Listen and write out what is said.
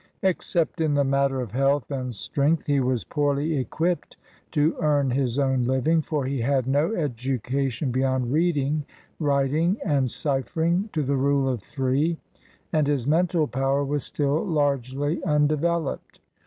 Except in the matter of health and strength, he was poorly equipped to earn his own living, for he had no education beyond reading, writing, and ciphering to the rule of three, and his mental power was still largely undeveloped.